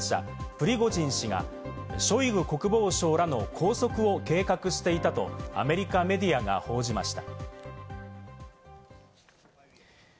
プリゴジン氏がショイグ国防相らの拘束を計画していたとアメリカメディアが報じました。